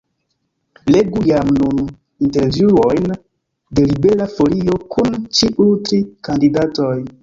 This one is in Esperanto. Legu jam nun intervjuojn de Libera Folio kun ĉiuj tri kandidatoj.